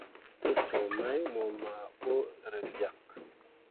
Te suu mai mo maa ɓo fẽefyak.